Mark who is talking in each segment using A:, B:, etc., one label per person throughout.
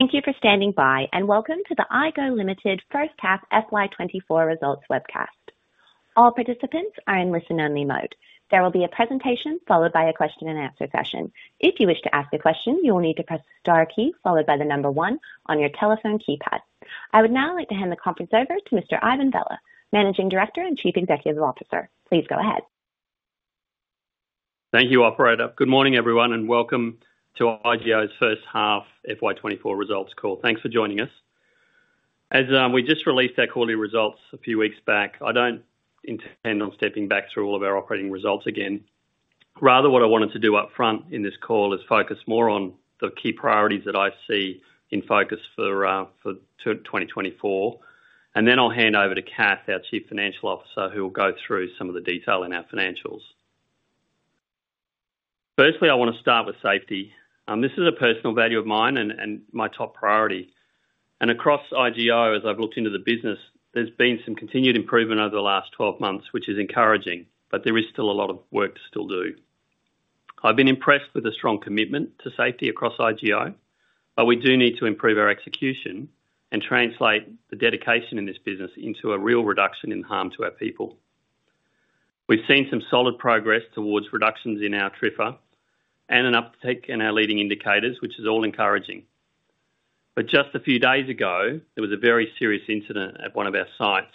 A: Thank you for standing by, and welcome to the IGO Limited First Half FY 24 Results webcast. All participants are in listen-only mode. There will be a presentation followed by a question and answer session. If you wish to ask a question, you will need to press the star key followed by the number one on your telephone keypad. I would now like to hand the conference over to Mr. Ivan Vella, Managing Director and Chief Executive Officer. Please go ahead.
B: Thank you, operator. Good morning, everyone, and welcome to IGO's first half FY 2024 results call. Thanks for joining us. As we just released our quarterly results a few weeks back, I don't intend on stepping back through all of our operating results again. Rather, what I wanted to do upfront in this call is focus more on the key priorities that I see in focus for 2024. And then I'll hand over to Kath, our Chief Financial Officer, who will go through some of the detail in our financials. Firstly, I want to start with safety. This is a personal value of mine and my top priority. And across IGO, as I've looked into the business, there's been some continued improvement over the last 12 months, which is encouraging, but there is still a lot of work to still do. I've been impressed with the strong commitment to safety across IGO, but we do need to improve our execution and translate the dedication in this business into a real reduction in harm to our people. We've seen some solid progress towards reductions in our TRIFR and an uptick in our leading indicators, which is all encouraging. But just a few days ago, there was a very serious incident at one of our sites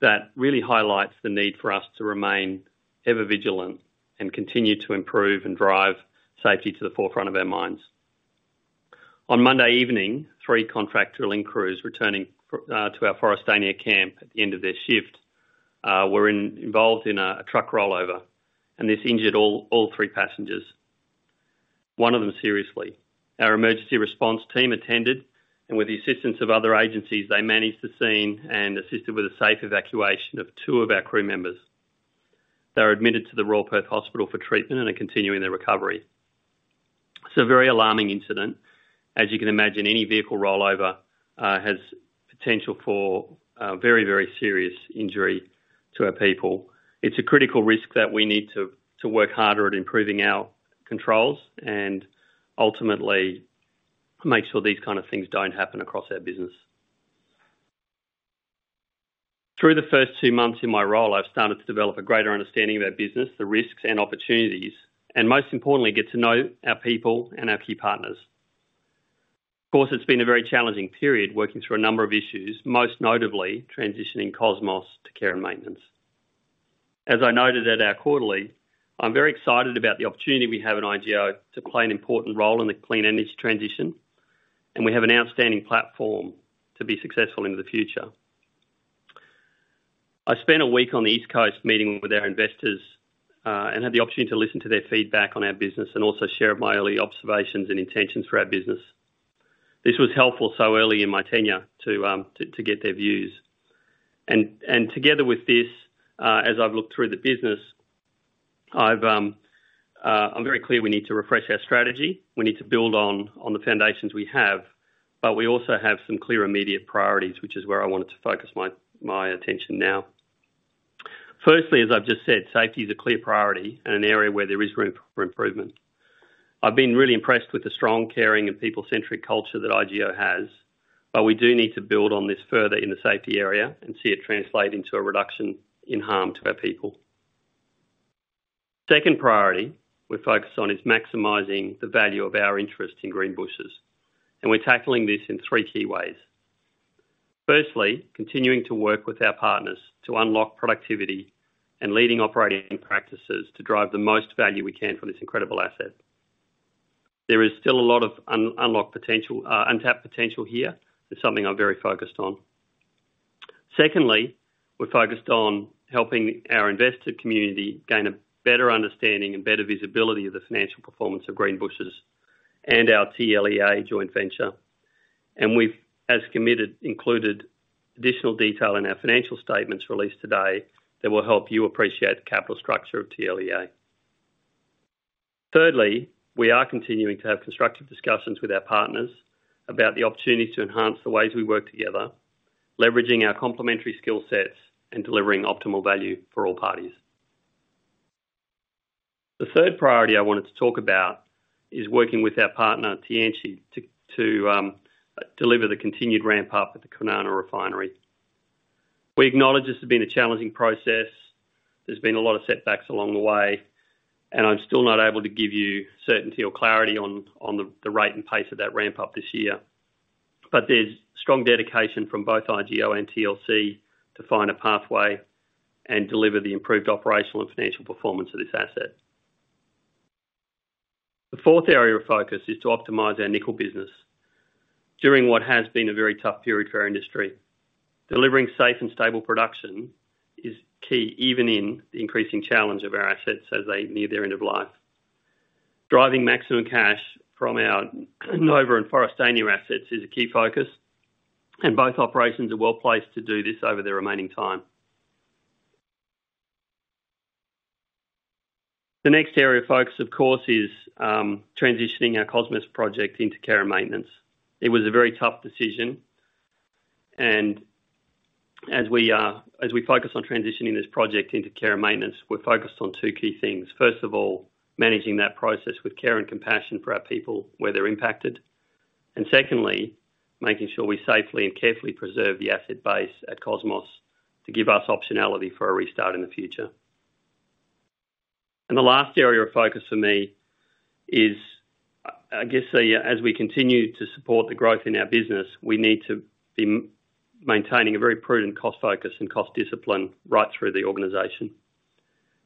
B: that really highlights the need for us to remain ever vigilant and continue to improve and drive safety to the forefront of our minds. On Monday evening, three contractual Link crews returning to our Forrestania camp at the end of their shift were involved in a truck rollover, and this injured all three passengers. One of them, seriously. Our emergency response team attended, and with the assistance of other agencies, they managed the scene and assisted with the safe evacuation of two of our crew members. They were admitted to the Royal Perth Hospital for treatment and are continuing their recovery. It's a very alarming incident. As you can imagine, any vehicle rollover has potential for very, very serious injury to our people. It's a critical risk that we need to work harder at improving our controls and ultimately make sure these kind of things don't happen across our business. Through the first two months in my role, I've started to develop a greater understanding of our business, the risks and opportunities, and most importantly, get to know our people and our key partners. Of course, it's been a very challenging period, working through a number of issues, most notably transitioning Cosmos to care and maintenance. As I noted at our quarterly, I'm very excited about the opportunity we have at IGO to play an important role in the clean energy transition, and we have an outstanding platform to be successful into the future. I spent a week on the East Coast meeting with our investors, and had the opportunity to listen to their feedback on our business and also share my early observations and intentions for our business. This was helpful so early in my tenure to get their views. And together with this, as I've looked through the business, I'm very clear we need to refresh our strategy. We need to build on the foundations we have, but we also have some clear immediate priorities, which is where I wanted to focus my attention now. Firstly, as I've just said, safety is a clear priority and an area where there is room for improvement. I've been really impressed with the strong, caring, and people-centric culture that IGO has, but we do need to build on this further in the safety area and see it translate into a reduction in harm to our people. Second priority we're focused on is maximizing the value of our interest in Greenbushes, and we're tackling this in three key ways. Firstly, continuing to work with our partners to unlock productivity and leading operating practices to drive the most value we can from this incredible asset. There is still a lot of unlocked potential, untapped potential here. It's something I'm very focused on. Secondly, we're focused on helping our investor community gain a better understanding and better visibility of the financial performance of Greenbushes and our TLEA joint venture. And we've, as committed, included additional detail in our financial statements released today that will help you appreciate the capital structure of TLEA. Thirdly, we are continuing to have constructive discussions with our partners about the opportunities to enhance the ways we work together, leveraging our complementary skill sets and delivering optimal value for all parties. The third priority I wanted to talk about is working with our partner, Tianqi, to deliver the continued ramp-up at the Kwinana Refinery. We acknowledge this has been a challenging process. There's been a lot of setbacks along the way, and I'm still not able to give you certainty or clarity on the rate and pace of that ramp up this year. But there's strong dedication from both IGO and TLC to find a pathway and deliver the improved operational and financial performance of this asset. The fourth area of focus is to optimize our nickel business during what has been a very tough period for our industry. Delivering safe and stable production is key, even in the increasing challenge of our assets as they near their end of life. Driving maximum cash from our Nova and Forrestania assets is a key focus, and both operations are well placed to do this over the remaining time. The next area of focus, of course, is transitioning our Cosmos project into care and maintenance. It was a very tough decision. And as we, as we focus on transitioning this project into care and maintenance, we're focused on two key things. First of all, managing that process with care and compassion for our people where they're impacted. And secondly, making sure we safely and carefully preserve the asset base at Cosmos to give us optionality for a restart in the future. And the last area of focus for me is, I guess, the, as we continue to support the growth in our business, we need to be maintaining a very prudent cost focus and cost discipline right through the organization.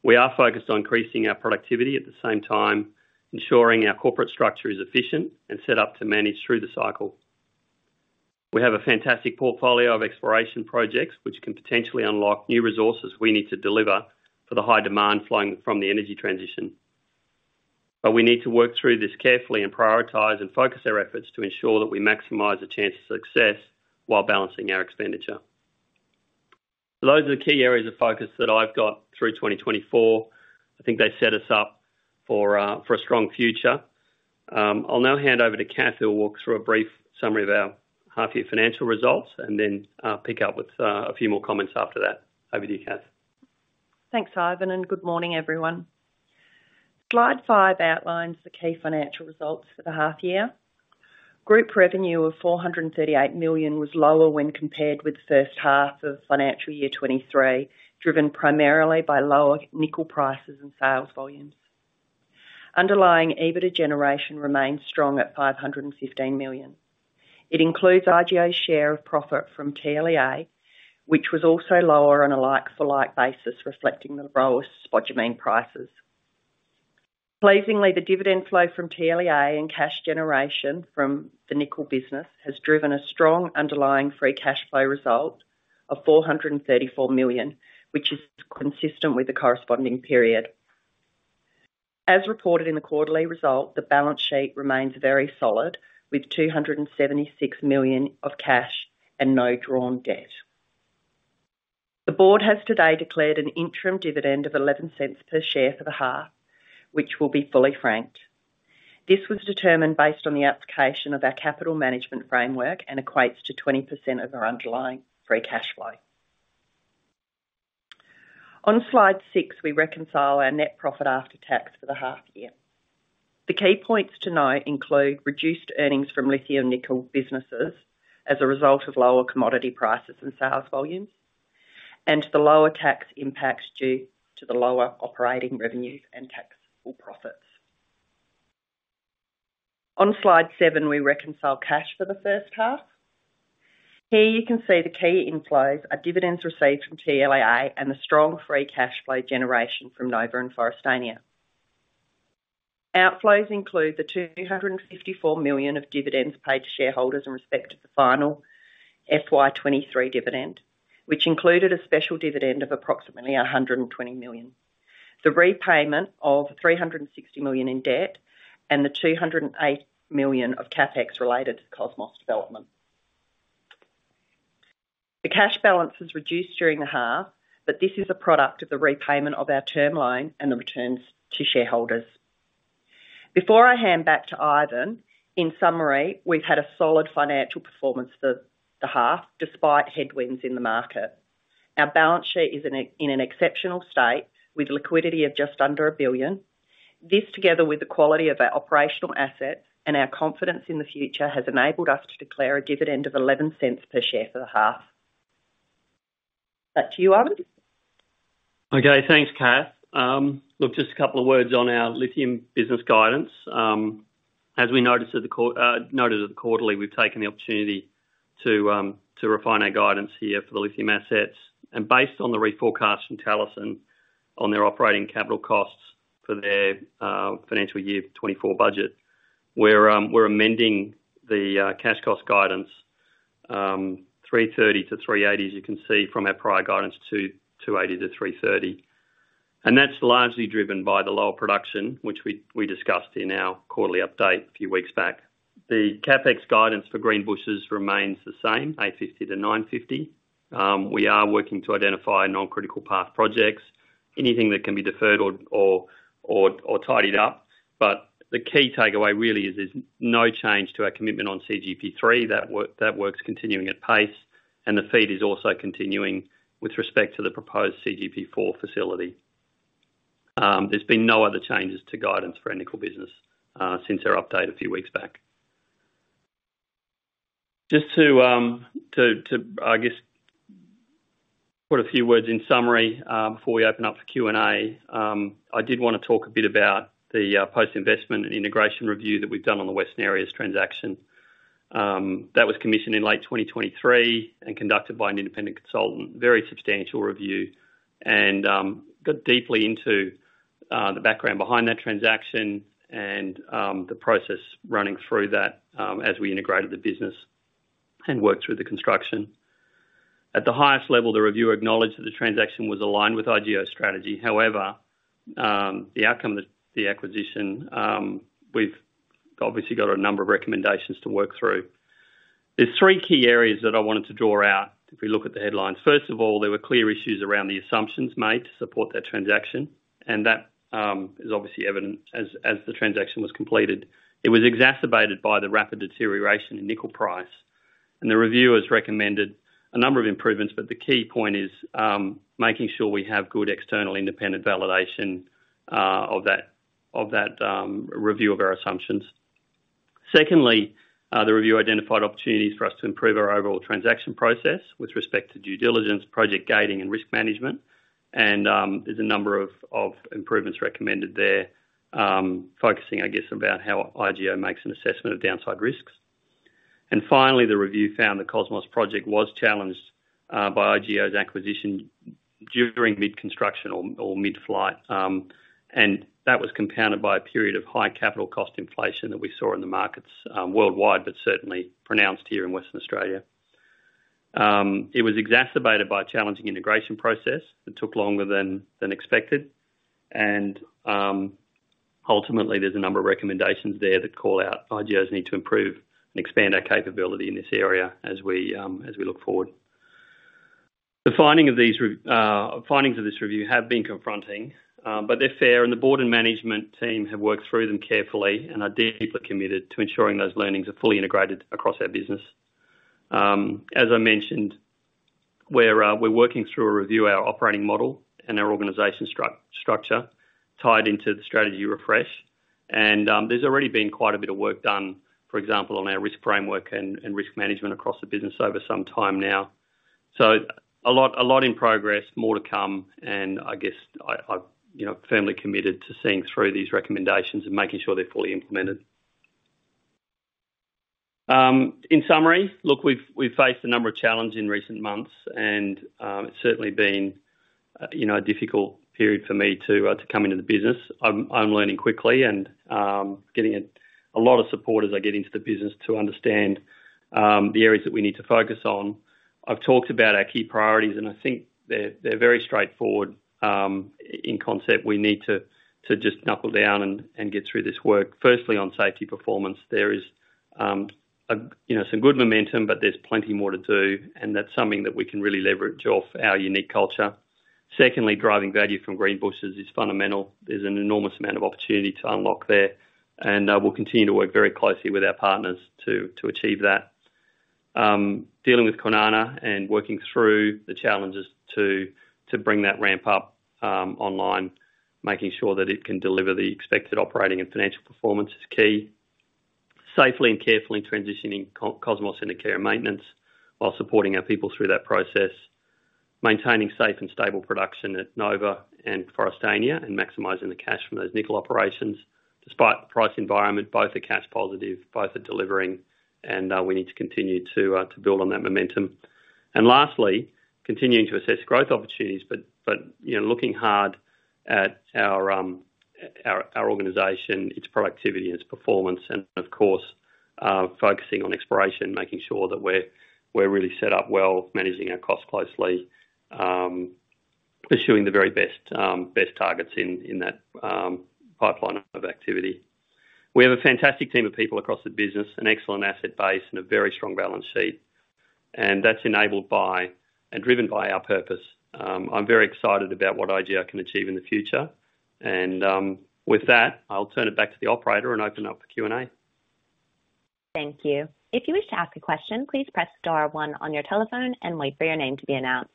B: We are focused on increasing our productivity, at the same time, ensuring our corporate structure is efficient and set up to manage through the cycle. We have a fantastic portfolio of exploration projects, which can potentially unlock new resources we need to deliver for the high demand flowing from the energy transition. But we need to work through this carefully and prioritize and focus our efforts to ensure that we maximize the chance of success while balancing our expenditure. Those are the key areas of focus that I've got through 2024. I think they set us up for for a strong future. I'll now hand over to Kath, who will walk through a brief summary of our half year financial results, and then pick up with a few more comments after that. Over to you, Kath.
C: Thanks, Ivan, and good morning, everyone. Slide 5 outlines the key financial results for the half year. Group revenue of 438 million was lower when compared with the first half of financial year 2023, driven primarily by lower nickel prices and sales volumes. Underlying EBITDA generation remains strong at 515 million. It includes IGO's share of profit from TLEA, which was also lower on a like-for-like basis, reflecting the lowest spodumene prices. Pleasingly, the dividend flow from TLEA and cash generation from the nickel business has driven a strong underlying free cash flow result of 434 million, which is consistent with the corresponding period. As reported in the quarterly result, the balance sheet remains very solid, with 276 million of cash and no drawn debt. The board has today declared an interim dividend of 0.11 per share for the half, which will be fully franked. This was determined based on the application of our capital management framework and equates to 20% of our underlying free cash flow. On slide six, we reconcile our net profit after tax for the half year. The key points to note include reduced earnings from lithium nickel businesses as a result of lower commodity prices and sales volumes, and the lower tax impacts due to the lower operating revenues and taxable profits. On slide seven, we reconcile cash for the first half. Here you can see the key inflows are dividends received from TLEA and the strong free cash flow generation from Nova and Forrestania. Outflows include 254 million of dividends paid to shareholders in respect to the final FY 2023 dividend, which included a special dividend of approximately 120 million, the repayment of 360 million in debt, and 208 million of CapEx related to the Cosmos development. The cash balance is reduced during the half, but this is a product of the repayment of our term loan and the returns to shareholders. Before I hand back to Ivan, in summary, we've had a solid financial performance for the half, despite headwinds in the market. Our balance sheet is in an exceptional state, with liquidity of just under 1 billion. This, together with the quality of our operational assets and our confidence in the future, has enabled us to declare a dividend of 0.11 per share for the half. Back to you, Ivan.
B: Okay, thanks, Kath. Look, just a couple of words on our lithium business guidance. As we noted at the quarterly, we've taken the opportunity to refine our guidance here for the lithium assets. Based on the reforecast from Talison on their operating capital costs for their financial year 2024 budget, we're amending the cash cost guidance, 330-380, as you can see from our prior guidance, to 280-330. That's largely driven by the lower production, which we discussed in our quarterly update a few weeks back. The CapEx guidance for Greenbushes remains the same, 850-950. We are working to identify non-critical path projects, anything that can be deferred or tidied up. The key takeaway really is there's no change to our commitment on CGP3. That work's continuing at pace, and the FEED is also continuing with respect to the proposed CGP4 facility. There's been no other changes to guidance for our nickel business since our update a few weeks back. Just to, I guess, put a few words in summary before we open up for Q&A. I did want to talk a bit about the post-investment and integration review that we've done on the Western Areas transaction. That was commissioned in late 2023 and conducted by an independent consultant. Very substantial review and got deeply into the background behind that transaction and the process running through that as we integrated the business and worked through the construction. At the highest level, the reviewer acknowledged that the transaction was aligned with IGO's strategy. However, the outcome of the acquisition, we've obviously got a number of recommendations to work through. There's three key areas that I wanted to draw out. If we look at the headlines, first of all, there were clear issues around the assumptions made to support that transaction, and that is obviously evident as the transaction was completed. It was exacerbated by the rapid deterioration in nickel price, and the review has recommended a number of improvements, but the key point is making sure we have good external independent validation of that review of our assumptions. Secondly, the review identified opportunities for us to improve our overall transaction process with respect to due diligence, project gating, and risk management. And, there's a number of improvements recommended there, focusing, I guess, about how IGO makes an assessment of downside risks. And finally, the review found the Cosmos project was challenged by IGO's acquisition during mid-construction or mid-flight. And that was compounded by a period of high capital cost inflation that we saw in the markets, worldwide, but certainly pronounced here in Western Australia. It was exacerbated by a challenging integration process that took longer than expected. And, ultimately, there's a number of recommendations there that call out IGO's need to improve and expand our capability in this area as we look forward. The findings of this review have been confronting, but they're fair, and the board and management team have worked through them carefully and are deeply committed to ensuring those learnings are fully integrated across our business. As I mentioned, we're working through a review of our operating model and our organization structure, tied into the strategy refresh. And there's already been quite a bit of work done, for example, on our risk framework and risk management across the business over some time now. So a lot in progress, more to come, and I guess, I've, you know, firmly committed to seeing through these recommendations and making sure they're fully implemented. In summary, look, we've faced a number of challenges in recent months, and it's certainly been, you know, a difficult period for me to come into the business. I'm learning quickly and getting a lot of support as I get into the business to understand the areas that we need to focus on. I've talked about our key priorities, and I think they're very straightforward. In concept, we need to just knuckle down and get through this work. Firstly, on safety performance, there is, you know, some good momentum, but there's plenty more to do, and that's something that we can really leverage off our unique culture. Secondly, driving value from Greenbushes is fundamental. There's an enormous amount of opportunity to unlock there, and we'll continue to work very closely with our partners to achieve that. Dealing with Kwinana and working through the challenges to bring that ramp up online, making sure that it can deliver the expected operating and financial performance is key. Safely and carefully transitioning Cosmos into care and maintenance while supporting our people through that process. Maintaining safe and stable production at Nova and Forrestania, and maximizing the cash from those nickel operations. Despite the price environment, both are cash positive, both are delivering, and we need to continue to build on that momentum. And lastly, continuing to assess growth opportunities, you know, looking hard at our organization, its productivity and its performance, and of course, focusing on exploration, making sure that we're really set up well, managing our costs closely, pursuing the very best targets in that pipeline of activity. We have a fantastic team of people across the business, an excellent asset base, and a very strong balance sheet, and that's enabled by and driven by our purpose. I'm very excited about what IGO can achieve in the future. With that, I'll turn it back to the operator and open up the Q&A.
A: Thank you. If you wish to ask a question, please press star one on your telephone and wait for your name to be announced.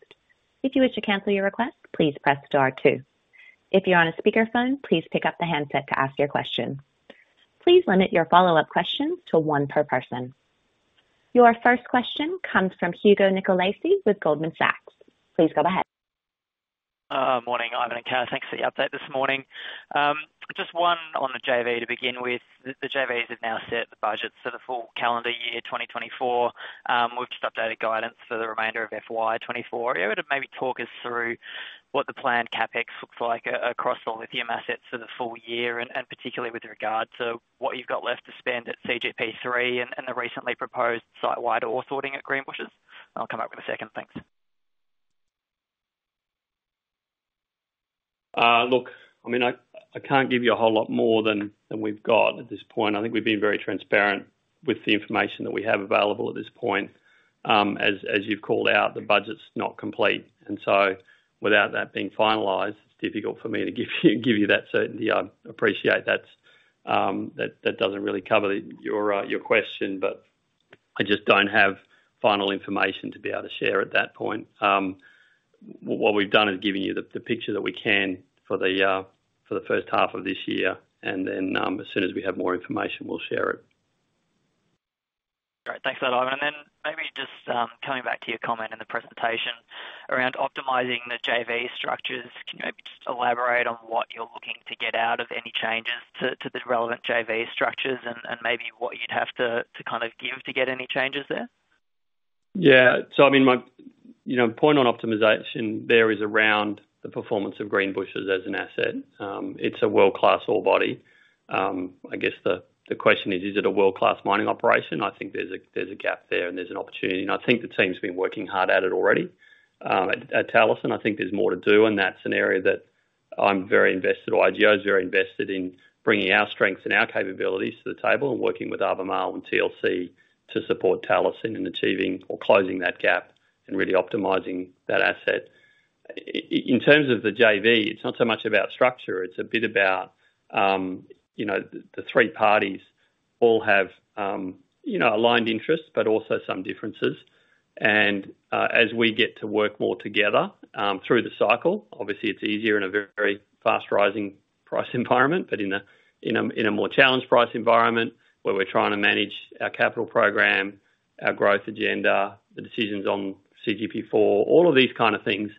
A: If you wish to cancel your request, please press star two. If you're on a speakerphone, please pick up the handset to ask your question. Please limit your follow-up questions to one per person. Your first question comes from Hugo Nicolaci with Goldman Sachs. Please go ahead.
D: Morning, Ivan and Kath. Thanks for the update this morning. Just one on the JV to begin with. The JVs have now set the budget for the full calendar year, 2024. We've just updated guidance for the remainder of FY 2024. Are you able to maybe talk us through what the planned CapEx looks like across the lithium assets for the full year, and particularly with regard to what you've got left to spend at CGP3 and the recently proposed site-wide ore sorting at Greenbushes? I'll come back with a second. Thanks.
B: Look, I mean, I can't give you a whole lot more than we've got at this point. I think we've been very transparent with the information that we have available at this point. As you've called out, the budget's not complete, and so without that being finalized, it's difficult for me to give you that certainty. I appreciate that's that doesn't really cover your question, but I just don't have final information to be able to share at that point. What we've done is given you the picture that we can for the first half of this year, and then as soon as we have more information, we'll share it.
D: Great. Thanks for that, Ivan. And then maybe just, coming back to your comment in the presentation around optimizing the JV structures. Can you maybe just elaborate on what you're looking to get out of any changes to the relevant JV structures and maybe what you'd have to kind of give to get any changes there?
B: Yeah. So I mean, my, you know, point on optimization there is around the performance of Greenbushes as an asset. It's a world-class ore body. I guess the question is, is it a world-class mining operation? I think there's a gap there, and there's an opportunity, and I think the team's been working hard at it already. At Talison, I think there's more to do, and that's an area that I'm very invested, or IGO is very invested in bringing our strengths and our capabilities to the table and working with Albemarle and TLC to support Talison in achieving or closing that gap and really optimizing that asset. In terms of the JV, it's not so much about structure, it's a bit about, you know, the three parties all have, you know, aligned interests, but also some differences. And as we get to work more together through the cycle, obviously it's easier in a very fast rising price environment, but in a more challenged price environment, where we're trying to manage our capital program, our growth agenda, the decisions on CGP4, all of these kind of things,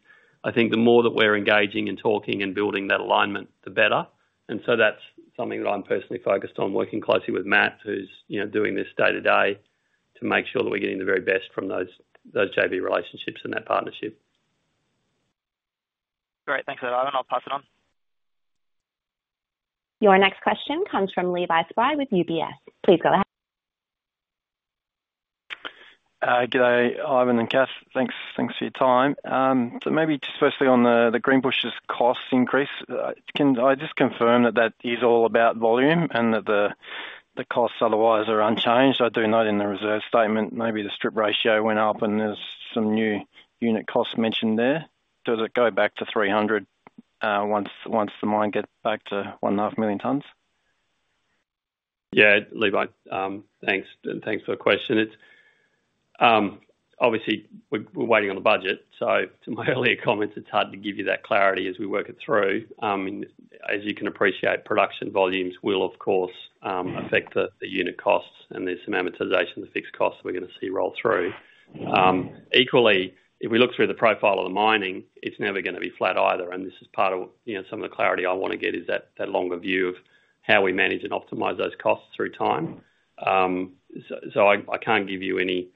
B: I think the more that we're engaging and talking and building that alignment, the better. And so that's something that I'm personally focused on, working closely with Matt, who's, you know, doing this day-to-day, to make sure that we're getting the very best from those JV relationships and that partnership. Great. Thanks for that, Ivan. I'll pass it on.
A: Your next question comes from Levi Spry with UBS. Please go ahead.
E: Good day, Ivan and Kath. Thanks, thanks for your time. So maybe just firstly on the Greenbushes cost increase, can I just confirm that that is all about volume and that the costs otherwise are unchanged? I do note in the reserve statement, maybe the strip ratio went up and there's some new unit costs mentioned there. Does it go back to 300 once the mine gets back to 1.5 million tons?
B: Yeah, Levi, thanks. Thanks for the question. It's obviously we're waiting on the budget, so to my earlier comments, it's hard to give you that clarity as we work it through. As you can appreciate, production volumes will, of course, affect the unit costs, and there's some amortization of fixed costs we're gonna see roll through. Equally, if we look through the profile of the mining, it's never gonna be flat either, and this is part of, you know, some of the clarity I wanna get is that longer view of how we manage and optimize those costs through time. So I can't give you any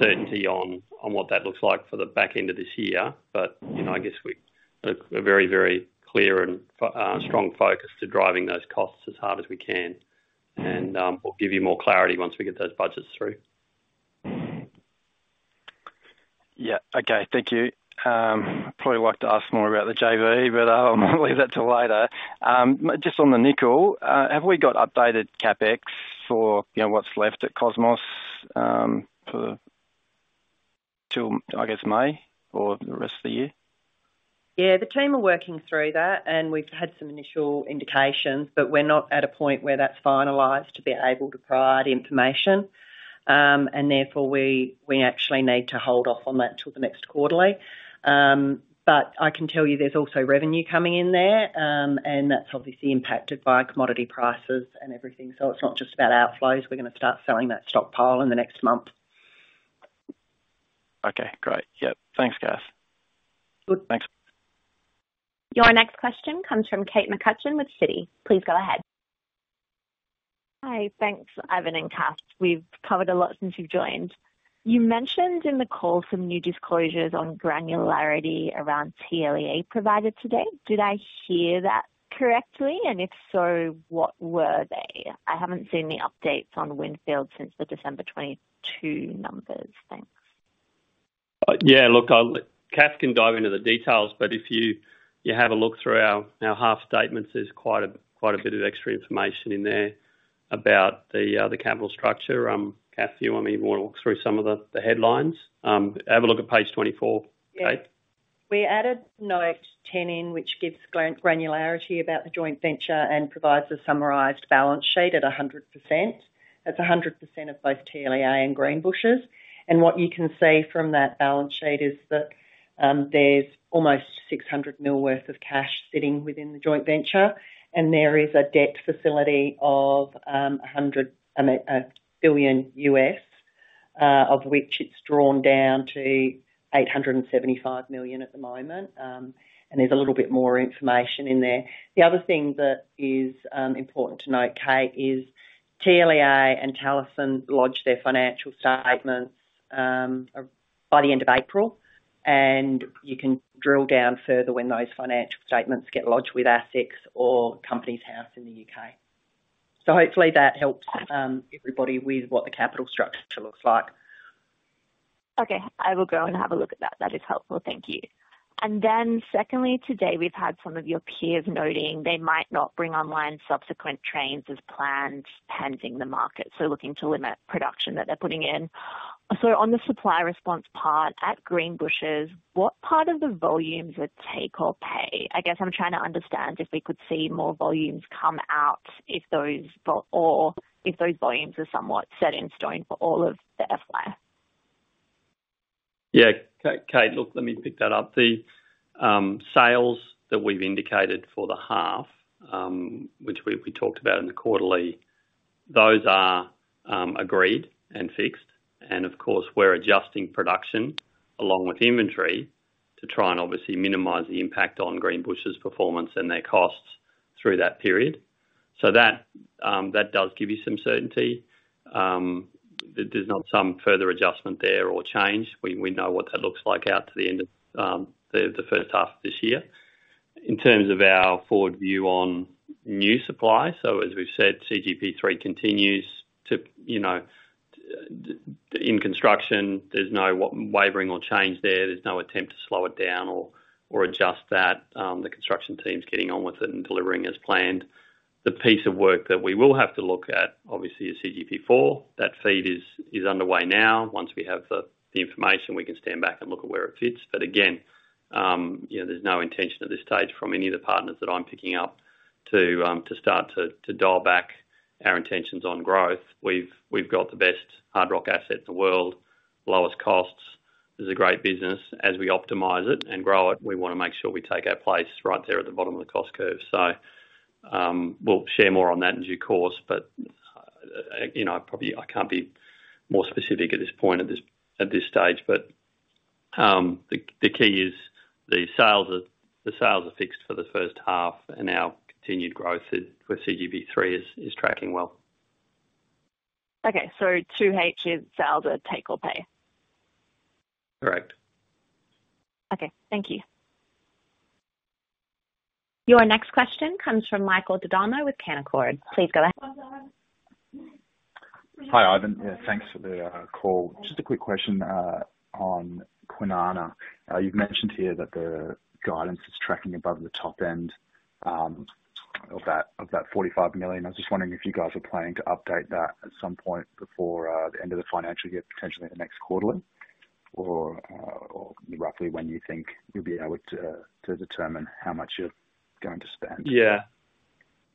B: certainty on what that looks like for the back end of this year. But, you know, I guess a very, very clear and strong focus to driving those costs as hard as we can. We'll give you more clarity once we get those budgets through.
E: Yeah. Okay. Thank you. Probably like to ask more about the JV, but I'll leave that till later. Just on the nickel, have we got updated CapEx for, you know, what's left at Cosmos, for till, I guess, May or the rest of the year?
C: Yeah, the team are working through that, and we've had some initial indications, but we're not at a point where that's finalized to be able to provide information. And therefore, we actually need to hold off on that till the next quarterly. But I can tell you there's also revenue coming in there, and that's obviously impacted by commodity prices and everything. So it's not just about outflows. We're gonna start selling that stockpile in the next month.
E: Okay, great. Yep. Thanks, Kath.
C: Good.
E: Thanks.
A: Your next question comes from Kate McCutcheon with Citi. Please go ahead.
F: Hi. Thanks, Ivan and Kath. We've covered a lot since you've joined. You mentioned in the call some new disclosures on granularity around TLEA provided today. Did I hear that correctly? And if so, what were they? I haven't seen the updates on Windfield since the December 2022 numbers. Thanks.
B: Yeah, look, I'll - Kath can dive into the details, but if you have a look through our half statements, there's quite a bit of extra information in there about the capital structure. Kath, you want me to walk through some of the headlines? Have a look at page 24.
C: Yeah.
B: Kate.
C: We added note 10 in, which gives granularity about the joint venture and provides a summarized balance sheet at 100%. That's 100% of both TLEA and Greenbushes. And what you can see from that balance sheet is that, there's almost 600 million worth of cash sitting within the joint venture. And there is a debt facility of $100 billion, of which it's drawn down to $875 million at the moment. And there's a little bit more information in there. The other thing that is important to note, Kate, is TLEA and Talison lodge their financial statements by the end of April, and you can drill down further when those financial statements get lodged with ASIC or Companies House in the UK. Hopefully that helps, everybody with what the capital structure looks like.
F: Okay, I will go and have a look at that. That is helpful. Thank you. And then secondly, today, we've had some of your peers noting they might not bring online subsequent trains as planned, pending the market, so looking to limit production that they're putting in. So on the supply response part, at Greenbushes, what part of the volumes are take or pay? I guess I'm trying to understand if we could see more volumes come out, or if those volumes are somewhat set in stone for all of the FY.
B: Yeah. Kate, look, let me pick that up. The sales that we've indicated for the half, which we talked about in the quarterly, those are agreed and fixed. And of course, we're adjusting production along with inventory to try and obviously minimize the impact on Greenbushes' performance and their costs through that period. So that does give you some certainty. There's not some further adjustment there or change. We know what that looks like out to the end of the first half of this year. In terms of our forward view on new supply, so as we've said, CGP3 continues to, you know, in construction, there's no wavering or change there. There's no attempt to slow it down or adjust that. The construction team's getting on with it and delivering as planned. The piece of work that we will have to look at, obviously, is CGP4. That FEED is underway now. Once we have the information, we can stand back and look at where it fits. But again, you know, there's no intention at this stage from any of the partners that I'm picking up to start to dial back our intentions on growth. We've got the best hard rock asset in the world, lowest costs. This is a great business. As we optimize it and grow it, we wanna make sure we take our place right there at the bottom of the cost curve. So, we'll share more on that in due course, but you know, probably I can't be more specific at this point, at this stage. But, the key is the sales are fixed for the first half, and our continued growth with CGP3 is tracking well.
G: Okay, so 2H is sales at take or pay?
B: Correct.
C: Okay, thank you.
A: Your next question comes from Michael Di Donna with Canaccord. Please go ahead.
H: Hi, Ivan. Yeah, thanks for the call. Just a quick question on Kwinana. You've mentioned here that the guidance is tracking above the top end of that of that 45 million. I was just wondering if you guys are planning to update that at some point before the end of the financial year, potentially the next quarterly? Or, or roughly when you think you'll be able to to determine how much you're going to spend.
B: Yeah.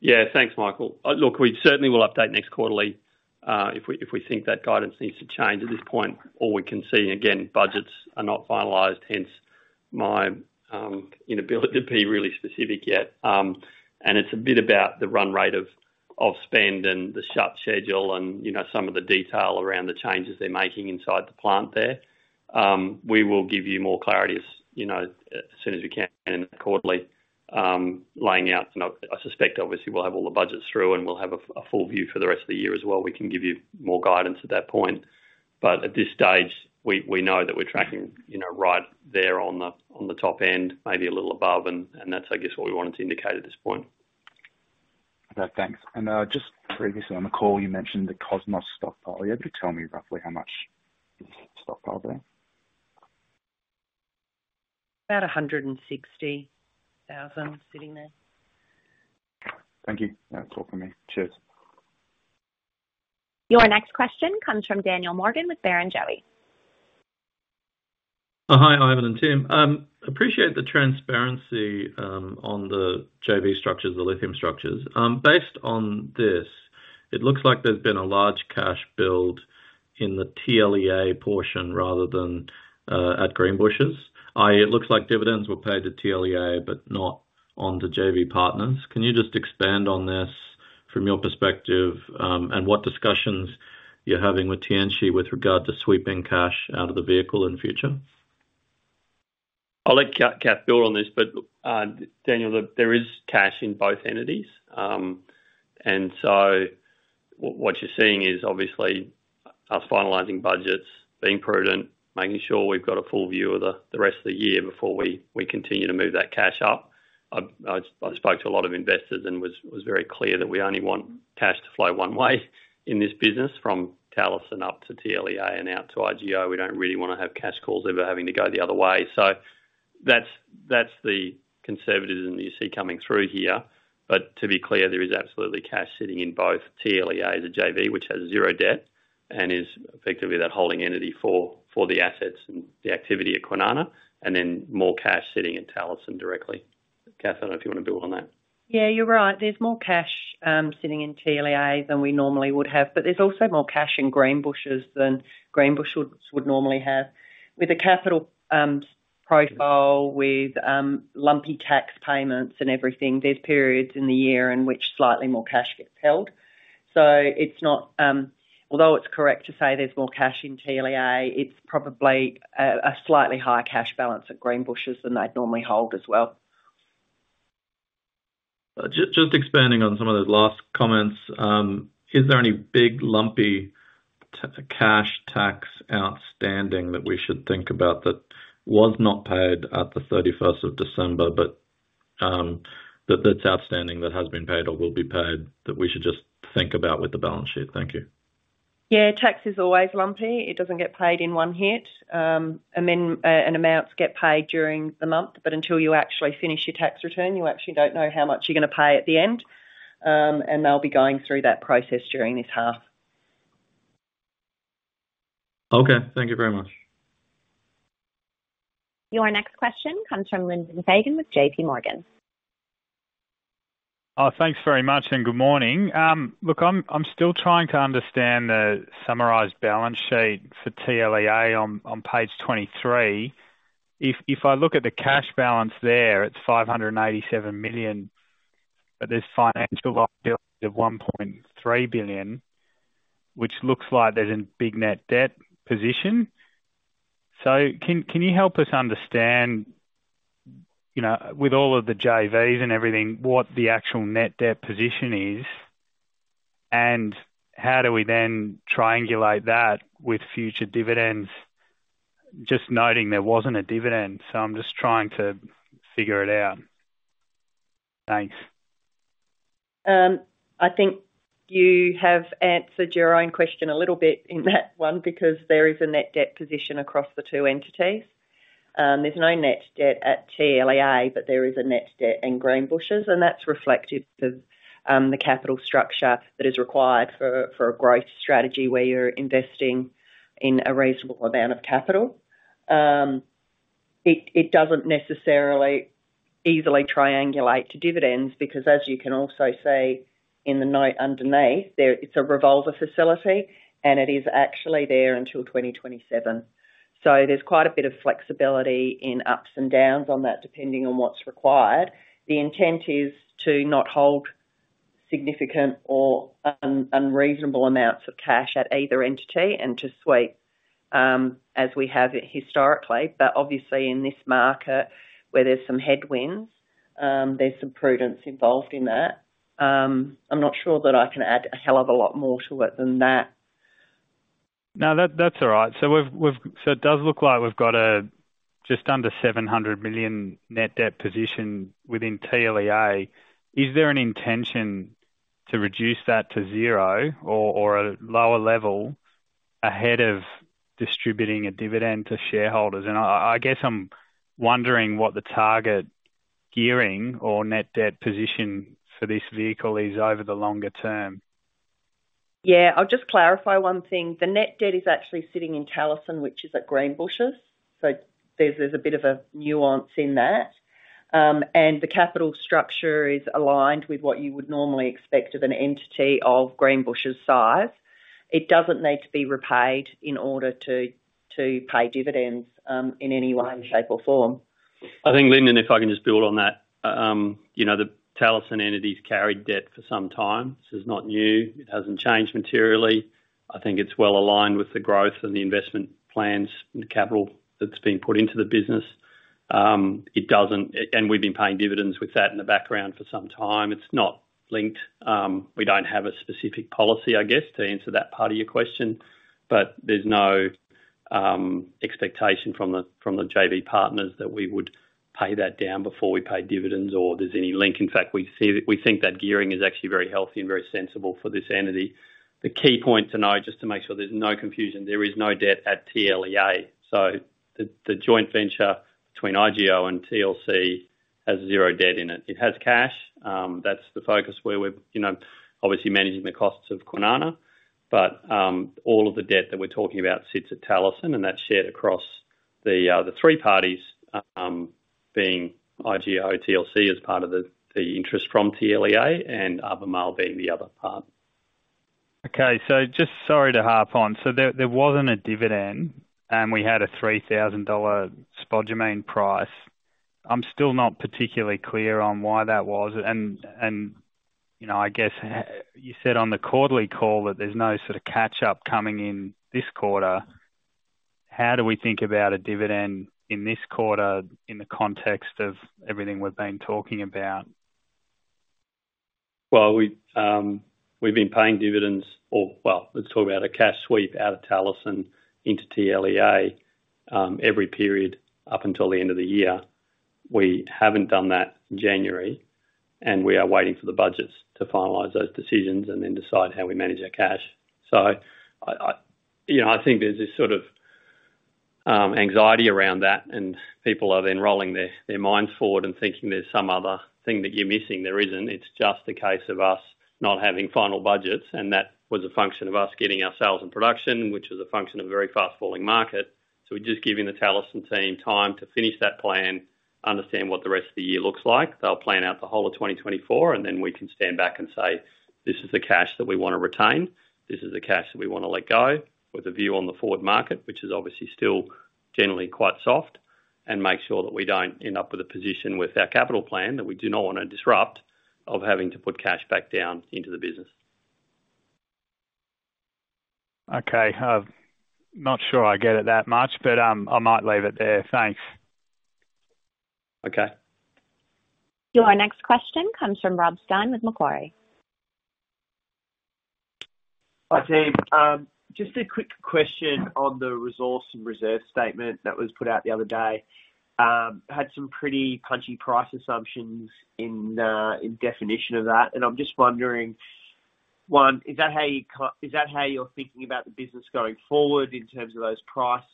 B: Yeah, thanks, Michael. Look, we certainly will update next quarterly if we think that guidance needs to change. At this point, all we can see, again, budgets are not finalized, hence my inability to be really specific yet. And it's a bit about the run rate of spend and the shut schedule and, you know, some of the detail around the changes they're making inside the plant there. We will give you more clarity as, you know, as soon as we can in the quarterly laying out. And I suspect obviously we'll have all the budgets through, and we'll have a full view for the rest of the year as well. We can give you more guidance at that point. At this stage, we know that we're tracking, you know, right there on the top end, maybe a little above, and that's, I guess, what we wanted to indicate at this point.
H: Okay, thanks. Just previously on the call, you mentioned the Cosmos stockpile. Are you able to tell me roughly how much is the stockpile there?
C: About 160,000 sitting there.
H: Thank you. That's all for me. Cheers.
A: Your next question comes from Daniel Morgan with Barrenjoey.
I: Hi, Ivan and team. Appreciate the transparency on the JV structures, the lithium structures. Based on this, it looks like there's been a large cash build in the TLEA portion rather than at Greenbushes. It looks like dividends were paid to TLEA, but not on the JV partners. Can you just expand on this from your perspective, and what discussions you're having with Tianqi with regard to sweeping cash out of the vehicle in the future?
B: I'll let Kath build on this, but, Daniel, look, there is cash in both entities. And so what you're seeing is obviously us finalizing budgets, being prudent, making sure we've got a full view of the rest of the year before we continue to move that cash up. I spoke to a lot of investors and was very clear that we only want cash to flow one way in this business, from Talison up to TLEA and out to IGO. We don't really wanna have cash calls over having to go the other way. So that's the conservatism that you see coming through here. But to be clear, there is absolutely cash sitting in both TLEA, the JV, which has 0 debt and is effectively that holding entity for the assets and the activity at Kwinana, and then more cash sitting in Talison directly. Kath, I don't know if you want to build on that.
C: Yeah, you're right. There's more cash sitting in TLEA than we normally would have, but there's also more cash in Greenbushes than Greenbushes would normally have. With a capital profile, with lumpy tax payments and everything, there's periods in the year in which slightly more cash gets held. So it's not... Although it's correct to say there's more cash in TLEA, it's probably a slightly higher cash balance at Greenbushes than they'd normally hold as well.
I: Just, just expanding on some of those last comments. Is there any big, lumpy cash tax outstanding that we should think about that was not paid at the thirty-first of December, but that that's outstanding, that has been paid or will be paid, that we should just think about with the balance sheet? Thank you.
C: Yeah, tax is always lumpy. It doesn't get paid in one hit. And then, and amounts get paid during the month, but until you actually finish your tax return, you actually don't know how much you're gonna pay at the end. And they'll be going through that process during this half.
I: Okay, thank you very much.
A: Your next question comes from Lyndon Fagan with JP Morgan.
J: Thanks very much, and good morning. Look, I'm still trying to understand the summarized balance sheet for TLEA on page 23. If I look at the cash balance there, it's 587 million, but there's financial liability of 1.3 billion, which looks like there's a big net debt position. So can you help us understand, you know, with all of the JVs and everything, what the actual net debt position is, and how do we then triangulate that with future dividends? Just noting there wasn't a dividend, so I'm just trying to figure it out. Thanks.
C: I think you have answered your own question a little bit in that one, because there is a net debt position across the two entities. There's no net debt at TLEA, but there is a net debt in Greenbushes, and that's reflective of the capital structure that is required for a growth strategy where you're investing in a reasonable amount of capital. It doesn't necessarily easily triangulate to dividends, because as you can also see in the note underneath, there it's a revolver facility, and it is actually there until 2027. So there's quite a bit of flexibility in ups and downs on that, depending on what's required. The intent is to not hold significant or unreasonable amounts of cash at either entity and to sweep as we have historically. Obviously in this market, where there's some headwinds, there's some prudence involved in that. I'm not sure that I can add a hell of a lot more to it than that.
J: No, that's all right. So we've - so it does look like we've got just under 700 million net debt position within TLEA. Is there an intention to reduce that to zero or a lower level ahead of distributing a dividend to shareholders? And I guess I'm wondering what the target gearing or net debt position for this vehicle is over the longer term.
C: Yeah, I'll just clarify one thing. The net debt is actually sitting in Talison, which is at Greenbushes. So there's a bit of a nuance in that. And the capital structure is aligned with what you would normally expect of an entity of Greenbushes' size. It doesn't need to be repaid in order to pay dividends in any way, shape, or form.
B: I think, Lyndon, if I can just build on that. You know, the Talison entities carried debt for some time. This is not new. It hasn't changed materially. I think it's well aligned with the growth and the investment plans and the capital that's been put into the business. It doesn't-- and we've been paying dividends with that in the background for some time. It's not linked. We don't have a specific policy, I guess, to answer that part of your question, but there's no expectation from the, from the JV partners that we would pay that down before we pay dividends or there's any link. In fact, we see that-- we think that gearing is actually very healthy and very sensible for this entity. The key point to know, just to make sure there's no confusion, there is no debt at TLEA. So the joint venture between IGO and TLC has zero debt in it. It has cash. That's the focus where we're, you know, obviously managing the costs of Kwinana. But all of the debt that we're talking about sits at Talison, and that's shared across the three parties, being IGO, TLC as part of the interest from TLEA, and Albemarle being the other part.
J: Okay. So just sorry to harp on. So there wasn't a dividend, and we had a $3,000 spodumene price. I'm still not particularly clear on why that was. And you know, I guess you said on the quarterly call that there's no sort of catch-up coming in this quarter. How do we think about a dividend in this quarter in the context of everything we've been talking about?
B: Well, we've been paying dividends or. Well, let's talk about a cash sweep out of Talison into TLEA, every period up until the end of the year. We haven't done that in January, and we are waiting for the budgets to finalize those decisions and then decide how we manage our cash. So I, you know, I think there's this sort of anxiety around that, and people are then rolling their minds forward and thinking there's some other thing that you're missing. There isn't. It's just a case of us not having final budgets, and that was a function of us getting our sales in production, which is a function of a very fast-falling market. So we're just giving the Talison team time to finish that plan, understand what the rest of the year looks like. They'll plan out the whole of 2024, and then we can stand back and say, "This is the cash that we wanna retain. This is the cash that we wanna let go," with a view on the forward market, which is obviously still generally quite soft, and make sure that we don't end up with a position with our capital plan, that we do not wanna disrupt, of having to put cash back down into the business.
J: Okay, not sure I get it that much, but, I might leave it there. Thanks.
B: Okay.
A: Your next question comes from Rob Stein with Macquarie.
K: Hi, team. Just a quick question on the resource and reserve statement that was put out the other day. Had some pretty punchy price assumptions in definition of that. And I'm just wondering, one, is that how you're thinking about the business going forward in terms of those price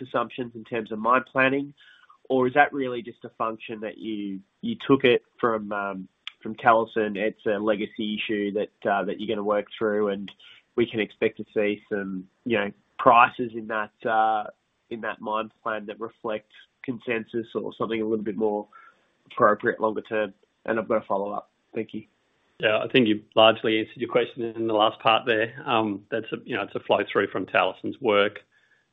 K: assumptions in terms of mine planning? Or is that really just a function that you took it from Talison, it's a legacy issue that you're gonna work through, and we can expect to see some, you know, prices in that mine plan that reflects consensus or something a little bit more appropriate longer term? And I've got a follow-up. Thank you.
B: Yeah, I think you largely answered your question in the last part there. That's a, you know, it's a flow-through from Talison's work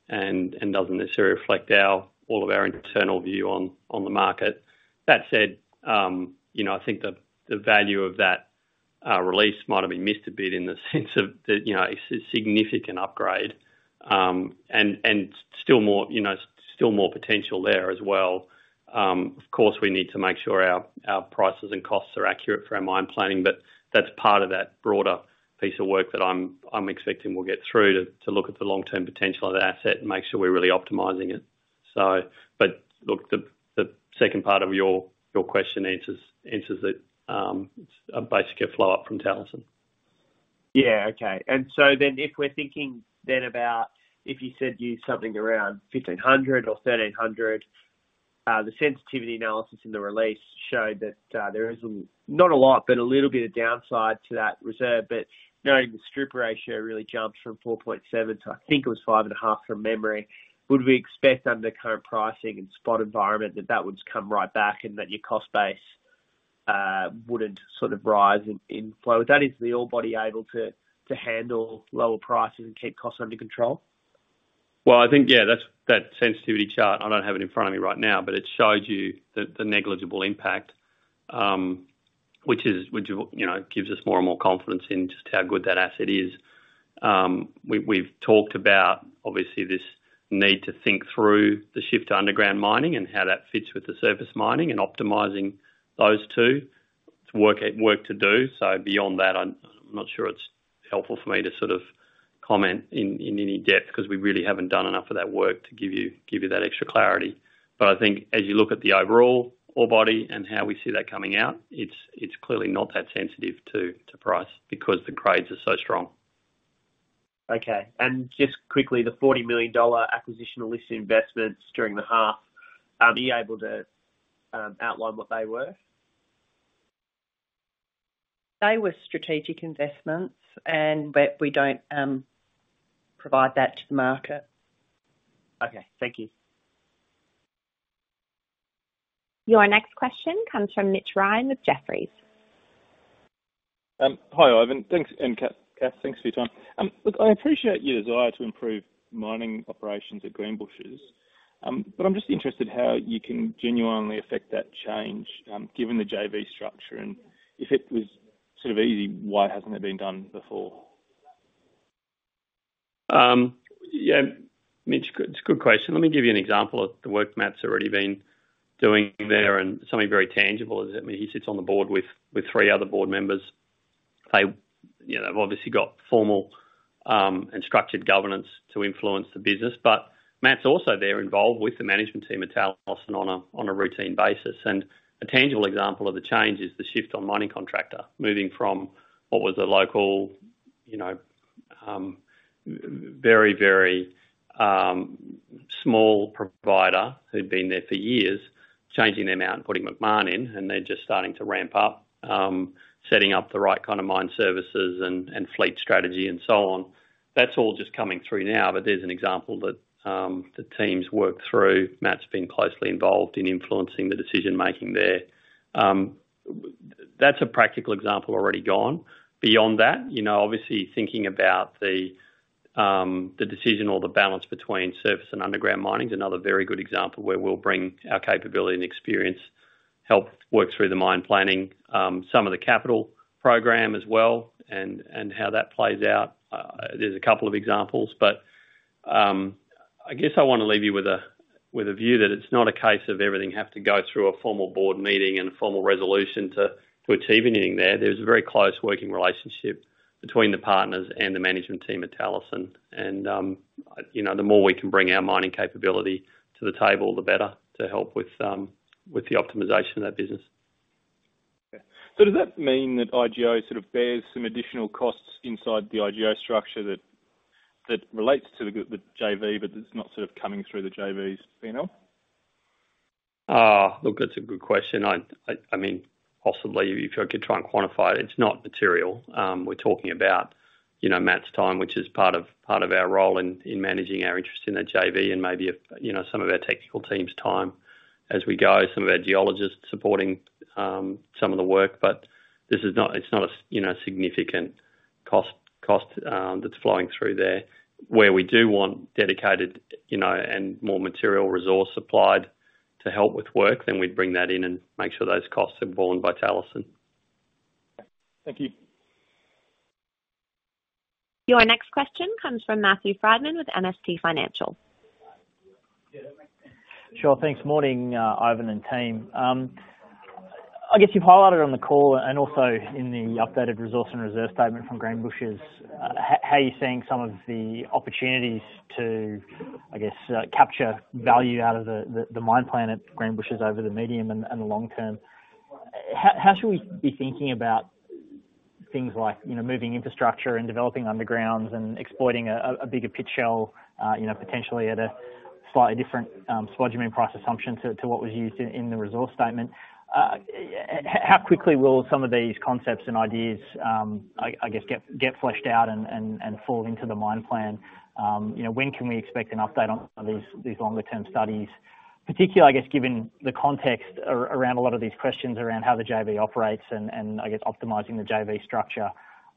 B: and doesn't necessarily reflect our, all of our internal view on the market. That said, you know, I think the value of that release might have been missed a bit in the sense of the, you know, a significant upgrade and still more, you know, still more potential there as well. Of course, we need to make sure our prices and costs are accurate for our mine planning, but that's part of that broader piece of work that I'm expecting we'll get through to look at the long-term potential of the asset and make sure we're really optimizing it. So, but look, the second part of your question answers it. It's basically a flow up from Talison.
K: Yeah, okay. And so then if we're thinking then about, if you said you something around 1,500 or 1,300, the sensitivity analysis in the release showed that, there is, not a lot, but a little bit of downside to that reserve. But knowing the strip ratio really jumps from 4.7 to, I think it was 5.5, from memory, would we expect under the current pricing and spot environment, that that would come right back and that your cost base, wouldn't sort of rise in, in flow? That is the ore body able to, to handle lower prices and keep costs under control?
B: Well, I think, yeah, that's that sensitivity chart. I don't have it in front of me right now, but it shows you the negligible impact, which, you know, gives us more and more confidence in just how good that asset is. We've talked about, obviously, this need to think through the shift to underground mining and how that fits with the surface mining and optimizing those two. It's work to do, so beyond that, I'm not sure it's helpful for me to sort of comment in any depth because we really haven't done enough of that work to give you that extra clarity. But I think as you look at the overall ore body and how we see that coming out, it's clearly not that sensitive to price because the grades are so strong.
K: Okay. And just quickly, the 40 million dollar acquisition of listed investments during the half, are you able to outline what they were?
C: They were strategic investments and, but we don't provide that to the market.
K: Okay. Thank you.
A: Your next question comes from Mitch Ryan with Jefferies.
L: Hi, Ivan. Thanks, and Kath, Kath, thanks for your time. Look, I appreciate your desire to improve mining operations at Greenbushes, but I'm just interested how you can genuinely affect that change, given the JV structure, and if it was sort of easy, why hasn't it been done before?
B: Yeah, Mitch, good, it's a good question. Let me give you an example of the work Matt's already been doing there, and something very tangible is, I mean, he sits on the board with three other board members. They, you know, have obviously got formal and structured governance to influence the business. But Matt's also there involved with the management team at Talison on a routine basis. And a tangible example of the change is the shift on mining contractor, moving from what was a local, you know, very, very small provider who'd been there for years, changing them out and putting Macmahon in, and they're just starting to ramp up, setting up the right kind of mine services and fleet strategy and so on. That's all just coming through now, but there's an example that the teams work through. Matt's been closely involved in influencing the decision making there. That's a practical example already gone. Beyond that, you know, obviously, thinking about the, the decision or the balance between surface and underground mining is another very good example where we'll bring our capability and experience, help work through the mine planning, some of the capital program as well, and, and how that plays out. There's a couple of examples, but, I guess I want to leave you with a, with a view that it's not a case of everything have to go through a formal board meeting and a formal resolution to, to achieve anything there. There's a very close working relationship between the partners and the management team at Talison. You know, the more we can bring our mining capability to the table, the better, to help with the optimization of that business.
L: Okay. So does that mean that IGO sort of bears some additional costs inside the IGO structure that, that relates to the, the JV, but it's not sort of coming through the JV's PNL?
B: Look, that's a good question. I mean, possibly, if I could try and quantify it, it's not material. We're talking about, you know, Matt's time, which is part of our role in managing our interest in the JV, and maybe, you know, some of our technical team's time as we go, some of our geologists supporting some of the work. But this is not, it's not a, you know, significant cost that's flowing through there. Where we do want dedicated, you know, and more material resource supplied to help with work, then we'd bring that in and make sure those costs are borne by Talison.
L: Thank you.
A: Your next question comes from Matthew Frydman with MST Financial.
M: Sure. Thanks. Morning, Ivan and team. I guess you've highlighted on the call and also in the updated resource and reserve statement from Greenbushes, how are you seeing some of the opportunities to, I guess, capture value out of the mine plan at Greenbushes over the medium and long term? How should we be thinking about things like, you know, moving infrastructure and developing underground and exploiting a bigger pit shell, you know, potentially at a slightly different spodumene price assumption to what was used in the resource statement? How quickly will some of these concepts and ideas, I guess, get fleshed out and fall into the mine plan? You know, when can we expect an update on these longer term studies? Particularly, I guess, given the context around a lot of these questions around how the JV operates and I guess, optimizing the JV structure,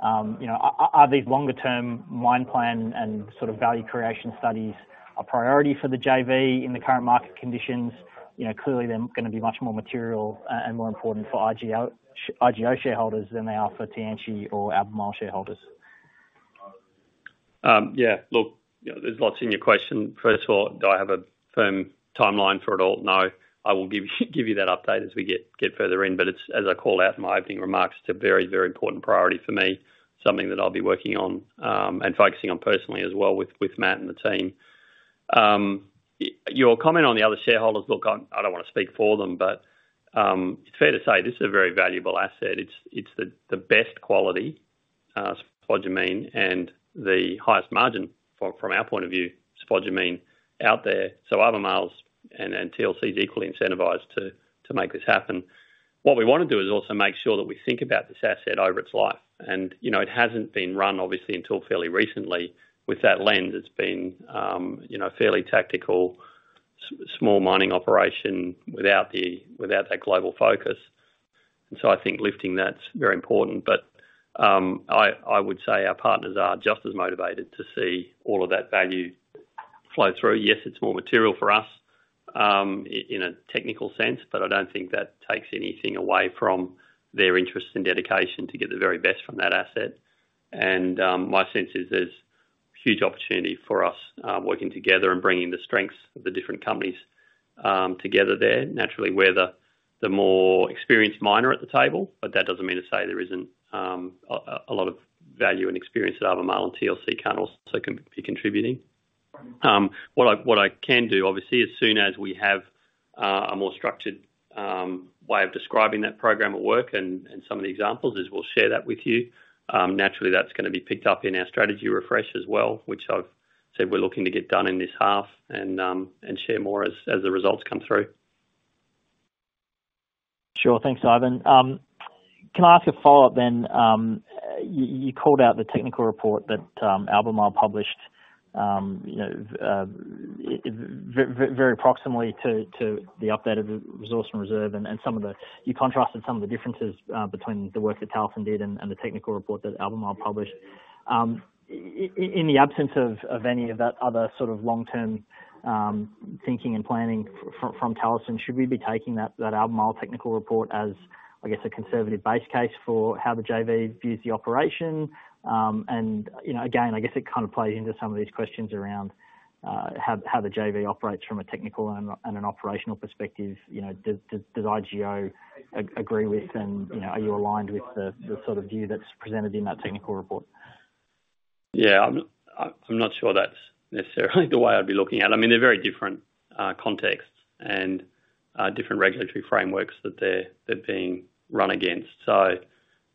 M: you know, are these longer term mine plan and sort of value creation studies a priority for the JV in the current market conditions? You know, clearly, they're gonna be much more material, and more important for IGO, IGO shareholders than they are for Tianqi or Albemarle shareholders.
B: Yeah, look, you know, there's lots in your question. First of all, do I have a firm timeline for it all? No. I will give you that update as we get further in, but it's as I called out in my opening remarks, it's a very, very important priority for me, something that I'll be working on and focusing on personally as well, with Matt and the team.... Your comment on the other shareholders, look, I don't want to speak for them, but it's fair to say this is a very valuable asset. It's the best quality spodumene and the highest margin, from our point of view, spodumene out there. So Albemarle and TLC is equally incentivized to make this happen. What we want to do is also make sure that we think about this asset over its life. You know, it hasn't been run, obviously, until fairly recently with that lens. It's been, you know, a fairly tactical small mining operation without that global focus. And so I think lifting that's very important. But I would say our partners are just as motivated to see all of that value flow through. Yes, it's more material for us in a technical sense, but I don't think that takes anything away from their interest and dedication to get the very best from that asset. And my sense is there's huge opportunity for us, working together and bringing the strengths of the different companies together there. Naturally, we're the more experienced miner at the table, but that doesn't mean to say there isn't a lot of value and experience that Albemarle and TLC can also contribute. What I can do, obviously, as soon as we have a more structured way of describing that program at work and some of the examples, is we'll share that with you. Naturally, that's gonna be picked up in our strategy refresh as well, which I've said we're looking to get done in this half and share more as the results come through.
M: Sure. Thanks, Ivan. Can I ask a follow-up then? You called out the technical report that Albemarle published, you know, very proximally to the updated resource and reserve and some of the... You contrasted some of the differences between the work that Talison did and the technical report that Albemarle published. In the absence of any of that other sort of long-term thinking and planning from Talison, should we be taking that Albemarle technical report as, I guess, a conservative base case for how the JV views the operation? And, you know, again, I guess it kind of plays into some of these questions around how the JV operates from a technical and an operational perspective. You know, does IGO agree with and, you know, are you aligned with the sort of view that's presented in that technical report?
B: Yeah, I'm not sure that's necessarily the way I'd be looking at it. I mean, they're very different contexts and different regulatory frameworks that they're being run against. So,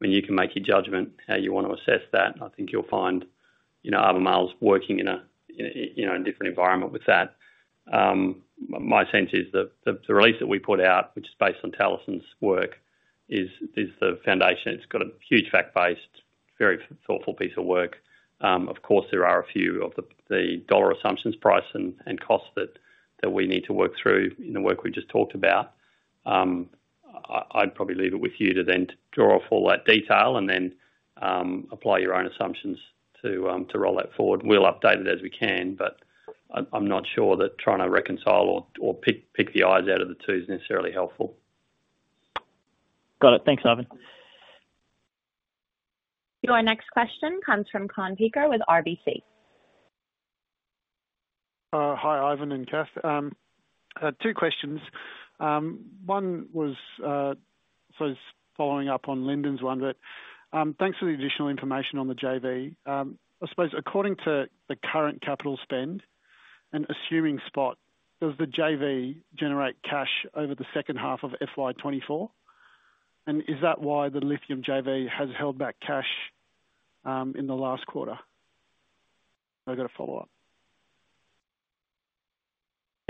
B: I mean, you can make your judgment how you want to assess that. I think you'll find, you know, Albemarle's working in a, you know, in a different environment with that. My sense is that the release that we put out, which is based on Talison's work, is the foundation. It's got a huge fact base, very thoughtful piece of work. Of course, there are a few of the dollar assumptions, price and costs that we need to work through in the work we just talked about. I'd probably leave it with you to then draw off all that detail and then apply your own assumptions to roll that forward. We'll update it as we can, but I'm not sure that trying to reconcile or pick the eyes out of the two is necessarily helpful.
M: Got it. Thanks, Ivan.
A: Your next question comes from Kaan Peker with RBC.
N: Hi, Ivan and Kath. Two questions. One was, so following up on Lyndon's one, but thanks for the additional information on the JV. I suppose according to the current capital spend, and assuming spot, does the JV generate cash over the second half of FY 2024? And is that why the lithium JV has held back cash in the last quarter? I've got a follow-up.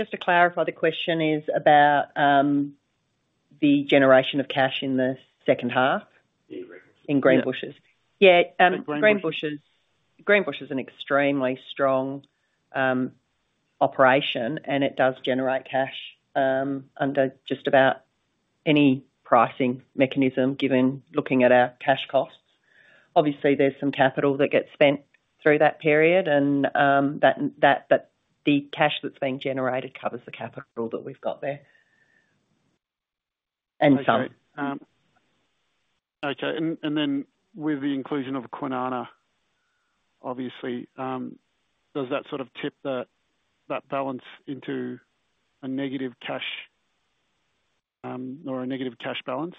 C: Just to clarify, the question is about the generation of cash in the second half-
N: Yeah.
C: -in Greenbushes? Yeah, Greenbushes, Greenbushes is an extremely strong operation, and it does generate cash under just about any pricing mechanism, given looking at our cash costs. Obviously, there's some capital that gets spent through that period and, that, that, but the cash that's being generated covers the capital that we've got there. And some.
N: Okay. And then with the inclusion of Kwinana, obviously, does that sort of tip that balance into a negative cash or a negative cash balance?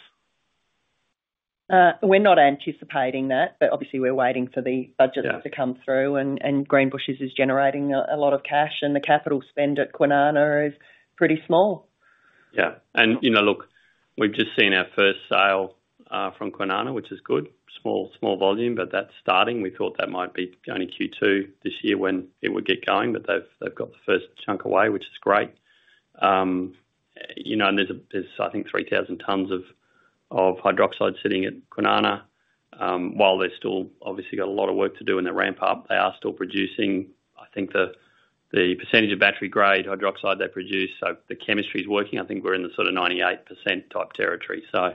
C: We're not anticipating that, but obviously we're waiting for the budget-
N: Yeah...
C: to come through, and Greenbushes is generating a lot of cash, and the capital spend at Kwinana is pretty small.
B: Yeah. And, you know, look, we've just seen our first sale from Kwinana, which is good. Small volume, but that's starting. We thought that might be only Q2 this year when it would get going, but they've got the first chunk away, which is great. You know, and there's, I think, 3,000 tons of hydroxide sitting at Kwinana. While they've still obviously got a lot of work to do in the ramp up, they are still producing, I think, the percentage of battery-grade hydroxide they produce. So the chemistry is working. I think we're in the sort of 98% type territory. So,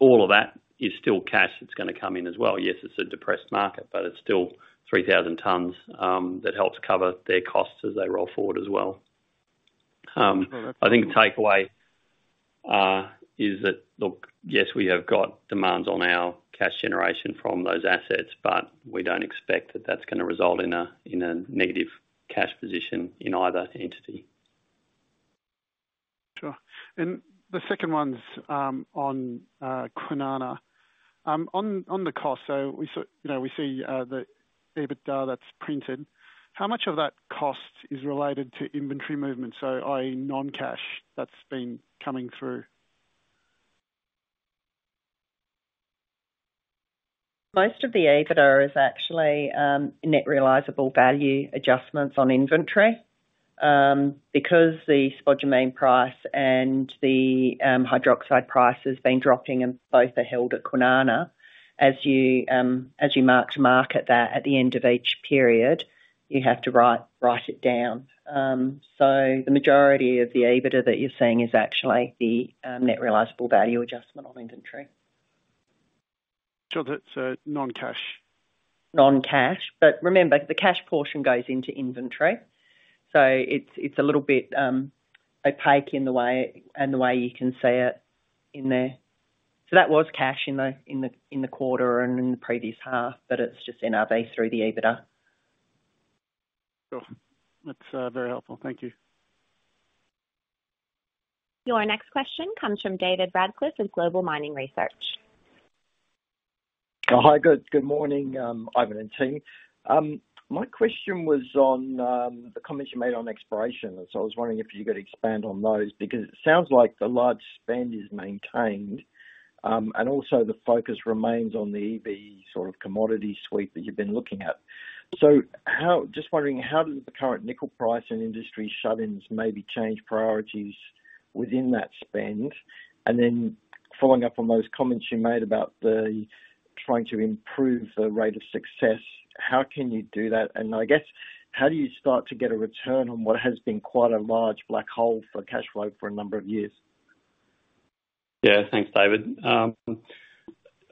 B: all of that is still cash that's gonna come in as well. Yes, it's a depressed market, but it's still 3,000 tons that helps cover their costs as they roll forward as well.
N: Uh, that's-
B: I think the takeaway is that, look, yes, we have got demands on our cash generation from those assets, but we don't expect that that's gonna result in a negative cash position in either entity....
N: Sure. And the second one's on Kwinana. On the cost, so we, you know, we see the EBITDA that's printed. How much of that cost is related to inventory movement? So, i.e., non-cash that's been coming through.
C: Most of the EBITDA is actually net realizable value adjustments on inventory. Because the spodumene price and the hydroxide price has been dropping, and both are held at Kwinana. As you as you mark to market that at the end of each period, you have to write, write it down. So the majority of the EBITDA that you're seeing is actually the net realizable value adjustment on inventory.
N: So that's non-cash?
C: Non-cash. But remember, the cash portion goes into inventory, so it's a little bit opaque in the way and the way you can see it in there. So that was cash in the quarter and in the previous half, but it's just NRV through the EBITDA.
N: Cool. That's very helpful. Thank you.
A: Your next question comes from David Radclyffe of Global Mining Research.
O: Oh, hi, good morning, Ivan and team. My question was on the comments you made on exploration. So I was wondering if you could expand on those, because it sounds like the large spend is maintained, and also the focus remains on the EV sort of commodity suite that you've been looking at. So how... Just wondering, how does the current nickel price and industry shut-ins maybe change priorities within that spend? And then following up on those comments you made about the trying to improve the rate of success, how can you do that? And I guess, how do you start to get a return on what has been quite a large black hole for cash flow for a number of years?
B: Yeah, thanks, David.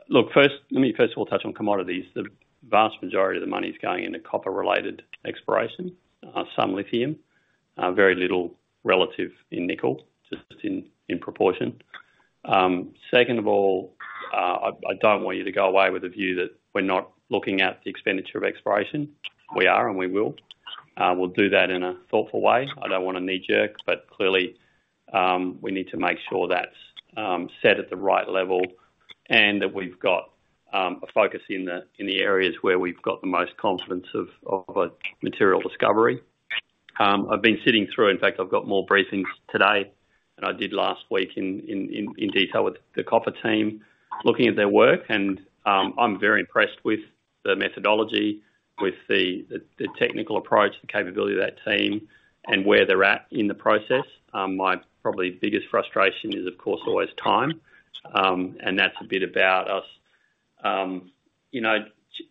B: Look, first, let me first of all touch on commodities. The vast majority of the money is going into copper-related exploration. Some lithium, very little relative in nickel, just in proportion. Second of all, I don't want you to go away with the view that we're not looking at the expenditure of exploration. We are, and we will. We'll do that in a thoughtful way. I don't want to knee jerk, but clearly, we need to make sure that's set at the right level and that we've got a focus in the areas where we've got the most confidence of a material discovery. I've been sitting through, in fact, I've got more briefings today than I did last week in detail with the copper team looking at their work, and I'm very impressed with the methodology, with the technical approach, the capability of that team and where they're at in the process. My probably biggest frustration is, of course, always time. And that's a bit about us, you know,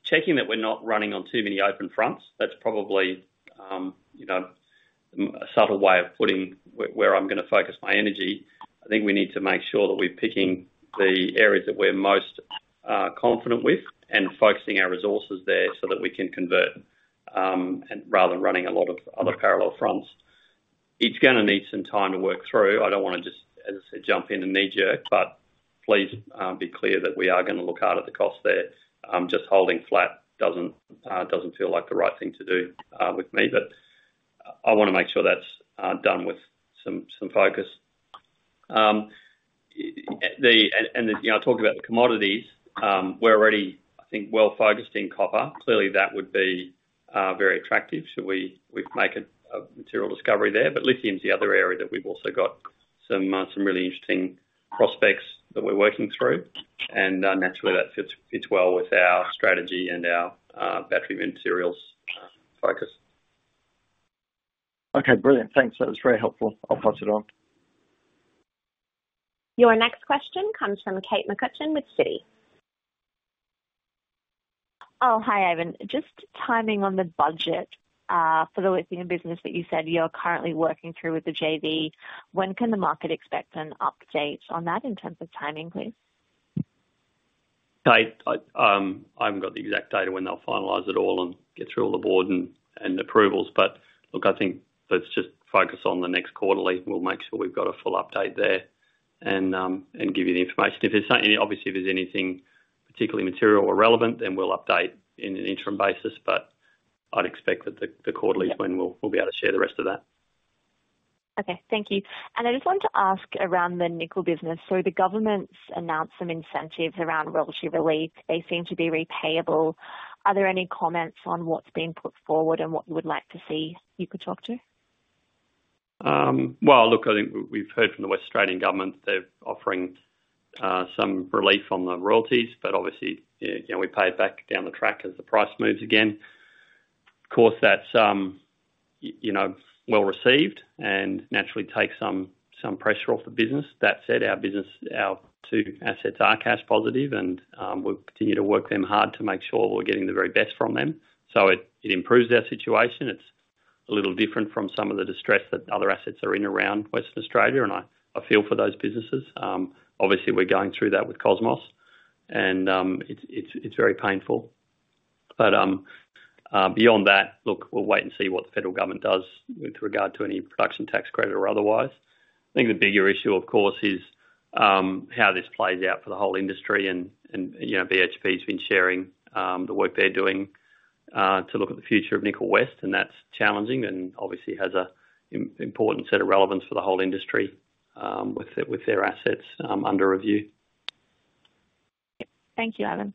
B: checking that we're not running on too many open fronts. That's probably, you know, a subtle way of putting where I'm gonna focus my energy. I think we need to make sure that we're picking the areas that we're most confident with and focusing our resources there so that we can convert, and rather than running a lot of other parallel fronts. It's gonna need some time to work through. I don't wanna just, as I said, jump in and knee jerk, but please be clear that we are gonna look hard at the cost there. Just holding flat doesn't feel like the right thing to do with me, but I wanna make sure that's done with some focus. You know, I talked about the commodities. We're already, I think, well focused in copper. Clearly, that would be very attractive should we make a material discovery there. But lithium is the other area that we've also got some really interesting prospects that we're working through, and naturally, that fits well with our strategy and our battery materials focus.
O: Okay, brilliant. Thanks. That was very helpful. I'll pass it on.
A: Your next question comes from Kate McCutcheon with Citi.
F: Oh, hi, Ivan. Just timing on the budget for the lithium business that you said you're currently working through with the JV. When can the market expect an update on that in terms of timing, please?
B: Kate, I, I haven't got the exact date of when they'll finalize it all and get through all the board and approvals. But look, I think let's just focus on the next quarterly. We'll make sure we've got a full update there and give you the information. If there's any, obviously, if there's anything particularly material or relevant, then we'll update in an interim basis, but I'd expect that the quarterly is when we'll be able to share the rest of that.
F: Okay. Thank you. And I just wanted to ask around the nickel business. So the government's announced some incentives around royalty relief. They seem to be repayable. Are there any comments on what's being put forward and what you would like to see you could talk to?
B: Well, look, I think we've heard from the Western Australian government they're offering some relief on the royalties, but obviously, you know, we pay it back down the track as the price moves again. Of course, that's you know well received and naturally takes some pressure off the business. That said, our business, our two assets are cash positive, and we'll continue to work them hard to make sure we're getting the very best from them, so it improves our situation. It's a little different from some of the distress that other assets are in around Western Australia, and I feel for those businesses. Obviously, we're going through that with Cosmos, and it's very painful. But, beyond that, look, we'll wait and see what the federal government does with regard to any production tax credit or otherwise. I think the bigger issue, of course, is how this plays out for the whole industry, and you know, BHP's been sharing the work they're doing to look at the future of Nickel West, and that's challenging and obviously has a important set of relevance for the whole industry, with their assets under review.
A: Thank you, Ivan.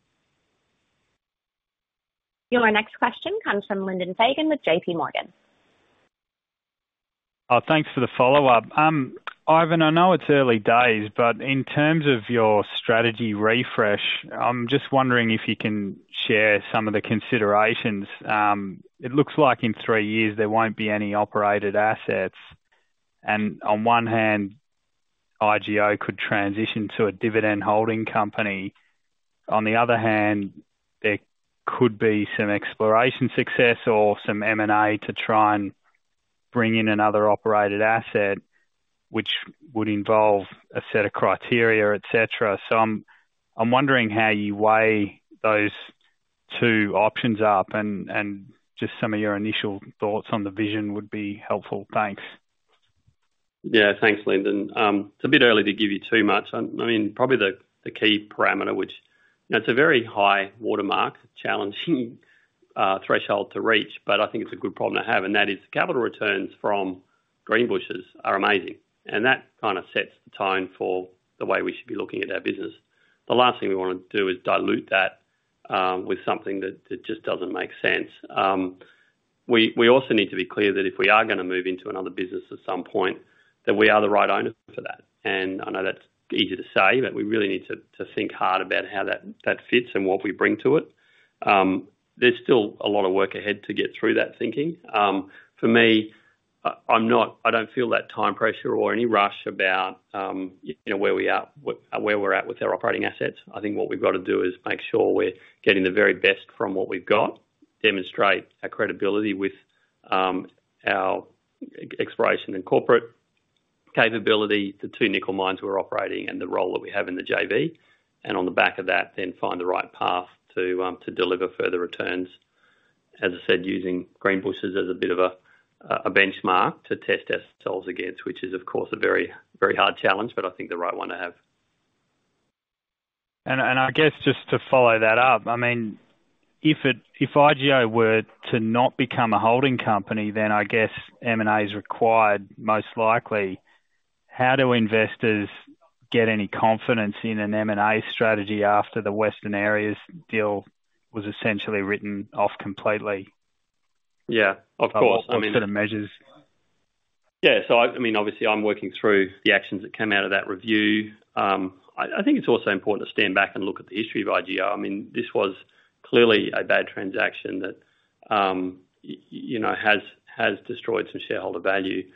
A: Your next question comes from Lyndon Fagan with JP Morgan.
J: Thanks for the follow-up. Ivan, I know it's early days, but in terms of your strategy refresh, I'm just wondering if you can share some of the considerations. It looks like in three years there won't be any operated assets, and on one hand, IGO could transition to a dividend holding company. On the other hand, there could be some exploration success or some M&A to try and bring in another operated asset, which would involve a set of criteria, et cetera. So I'm, I'm wondering how you weigh those two options up, and, and just some of your initial thoughts on the vision would be helpful. Thanks.
B: Yeah. Thanks, Lyndon. It's a bit early to give you too much. I mean, probably the key parameter, which, you know, it's a very high watermark, challenging threshold to reach, but I think it's a good problem to have, and that is capital returns from Greenbushes are amazing, and that kind of sets the tone for the way we should be looking at our business. The last thing we wanna do is dilute that with something that just doesn't make sense. We also need to be clear that if we are gonna move into another business at some point, that we are the right owners for that. And I know that's easy to say, but we really need to think hard about how that fits and what we bring to it. There's still a lot of work ahead to get through that thinking. For me, I—I'm not—I don't feel that time pressure or any rush about, you know, where we are, what, where we're at with our operating assets. I think what we've got to do is make sure we're getting the very best from what we've got, demonstrate our credibility with, our exploration and corporate capability, the two nickel mines we're operating, and the role that we have in the JV. And on the back of that, then find the right path to, to deliver further returns, as I said, using Greenbushes as a bit of a benchmark to test ourselves against, which is, of course, a very, very hard challenge, but I think the right one to have.
J: I guess just to follow that up, I mean, if IGO were to not become a holding company, then I guess M&A is required, most likely. How do investors get any confidence in an M&A strategy after the Western Areas deal was essentially written off completely?
B: Yeah, of course. I mean-
J: What sort of measures?
B: Yeah, so I mean, obviously, I'm working through the actions that came out of that review. I think it's also important to stand back and look at the history of IGO. I mean, this was clearly a bad transaction that, you know, has destroyed some shareholder value.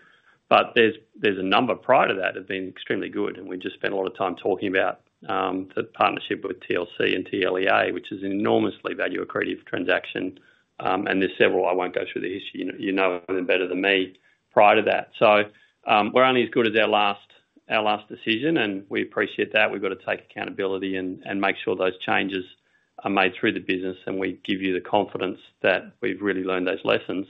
B: But there's a number prior to that have been extremely good, and we just spent a lot of time talking about the partnership with TLC and TLEA, which is an enormously value-accretive transaction. And there's several, I won't go through the history, you know, you know them better than me, prior to that. So, we're only as good as our last decision, and we appreciate that. We've got to take accountability and make sure those changes are made through the business, and we give you the confidence that we've really learned those lessons.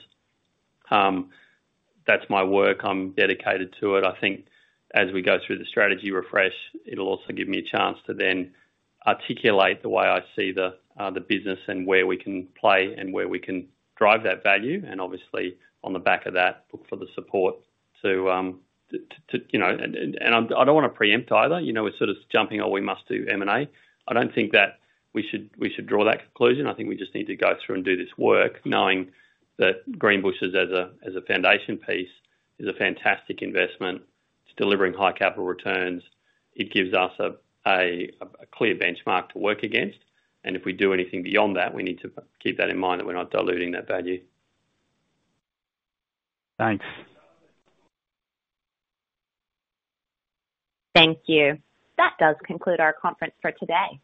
B: That's my work. I'm dedicated to it. I think as we go through the strategy refresh, it'll also give me a chance to then articulate the way I see the business and where we can play and where we can drive that value, and obviously on the back of that, look for the support to you know... And I don't wanna preempt either, you know, it's sort of jumping, or we must do M&A. I don't think that we should draw that conclusion. I think we just need to go through and do this work, knowing that Greenbushes, as a foundation piece, is a fantastic investment. It's delivering high capital returns. It gives us a clear benchmark to work against, and if we do anything beyond that, we need to keep that in mind, that we're not diluting that value.
J: Thanks.
A: Thank you. That does conclude our conference for today.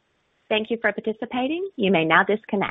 A: Thank you for participating. You may now disconnect.